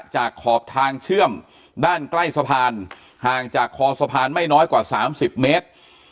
ขอบทางเชื่อมด้านใกล้สะพานห่างจากคอสะพานไม่น้อยกว่า๓๐เมตร